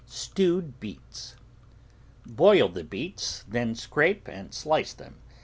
STEWED BEETS Boil the beets, then scrape and slice them.